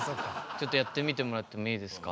ちょっとやってみてもらってもいいですか？